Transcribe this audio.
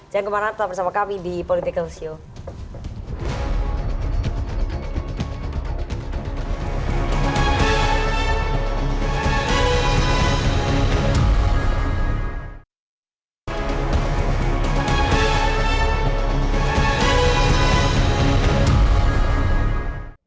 jangan kemana mana tetap bersama kami di politikal show